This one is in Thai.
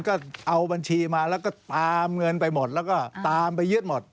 ก็เอาบัญชีมาแล้วก็ตามเงินไปหมดแล้วก็ตามไปยึดหมด